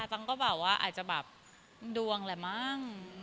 จังก็แบบว่าอาจจะแบบดวงแหละมั้ง